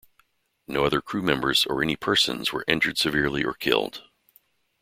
No other crew members or any persons were injured severely or killed.